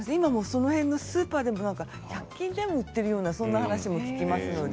その辺のスーパーでも１００均でも売っているような話も聞きますよ。